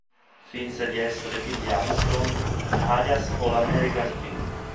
Finse di essere Billy Armstrong, alias All-American Kid.